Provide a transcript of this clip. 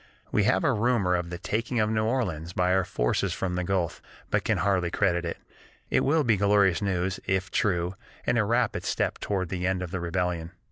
"We have a rumor of the taking of New Orleans by our forces from the Gulf, but can hardly credit it. It will be glorious news, if true, and a rapid step toward the end of the rebellion....